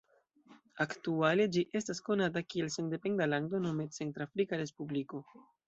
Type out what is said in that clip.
Aktuale ĝi estas konata kiel sendependa lando nome Centr-Afrika Respubliko.